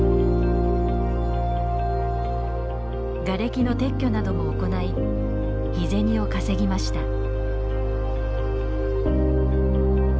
がれきの撤去なども行い日銭を稼ぎました。